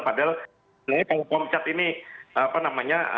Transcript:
padahal kalau pomcat ini apa namanya